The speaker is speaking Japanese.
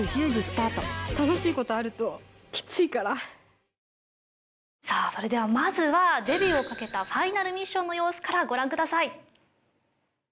１００万人に「クリアアサヒ」さあそれではまずはデビューをかけたファイナルミッションの様子からご覧ください。